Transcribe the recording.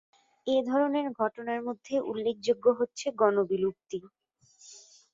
এ ধরনের ঘটনার মধ্যে উল্লেখযোগ্য হচ্ছে গণ বিলুপ্তি।